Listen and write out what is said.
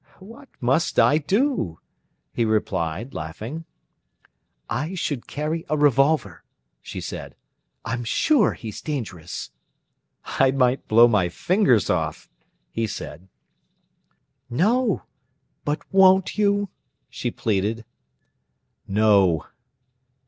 "What must I do?" he replied, laughing. "I should carry a revolver," she said. "I'm sure he's dangerous." "I might blow my fingers off," he said. "No; but won't you?" she pleaded. "No."